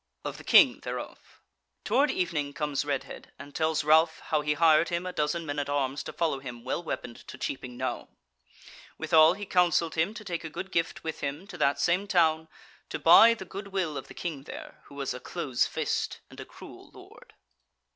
Of the King Thereof Toward evening comes Redhead, and tells Ralph how he hired him a dozen men at arms to follow him well weaponed to Cheaping Knowe: withal he counselled him to take a good gift with him to that same town to buy the good will of the King there; who was a close fist and a cruel lord.